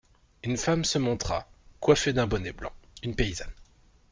Une femme se montra, coiffée d'un bonnet blanc, une paysanne.